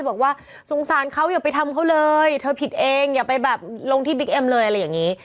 บอกว่าสงสารเขาอย่าไปทำเขาเลยเธอผิดเองอย่าไปแบบลงที่บิ๊กเอ็มเลยอะไรอย่างนี้